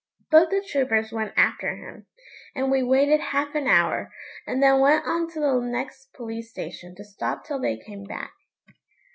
Both the troopers went after him, and we waited half an hour, and then went on to the next police station to stop till they came back.